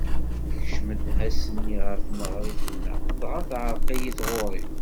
Tekcem-d ass-nni ɣer tneɣrit-nneɣ, dɣa teɛreq-iyi tɣuri.